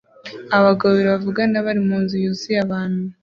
Abagabo babiri bavugana bari munzu yuzuye abantu